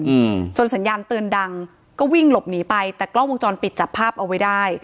อืมจนสัญญาณเตือนดังก็วิ่งหลบหนีไปแต่กล้องวงจรปิดจับภาพเอาไว้ได้